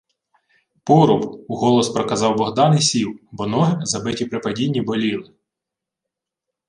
— Поруб, — уголос проказав Богдан і сів, бо ноги, забиті при падінні, боліли.